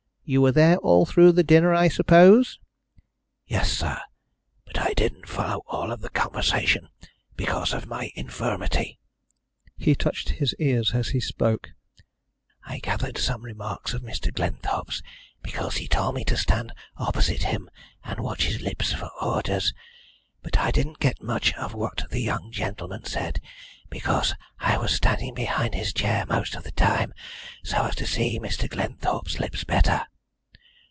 You were there all through the dinner, I suppose?" "Yes, sir, but I didn't follow all of the conversation because of my infirmity." He touched his ears as he spoke. "I gathered some remarks of Mr. Glenthorpe's, because he told me to stand opposite him and watch his lips for orders, but I didn't get much of what the young gentleman said, because I was standing behind his chair most of the time so as to see Mr. Glenthorpe's lips better."